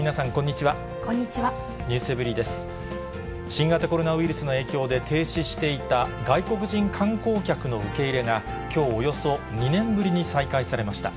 新型コロナウイルスの影響で停止していた外国人観光客の受け入れが、きょうおよそ２年ぶりに再開されました。